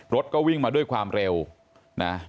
รถก็วิ่งมาด้วยความเร็วนะ